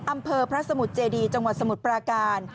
อำเภอพระสมุทรเจดีจังหวัดสมุทรปราการ